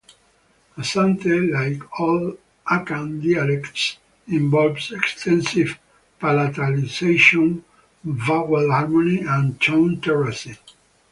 Asante, like all Akan dialects, involves extensive palatalization, vowel harmony, and tone terracing.